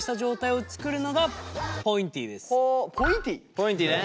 ポインティね！